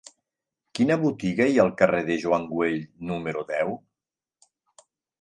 Quina botiga hi ha al carrer de Joan Güell número deu?